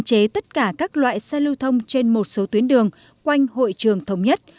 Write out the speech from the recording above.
có thể thấy tất cả các loại xe lưu thông trên một số tuyến đường quanh hội trường thống nhất